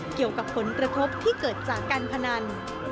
เกี่ยวกับผลกระทบที่เกิดจากการพนัน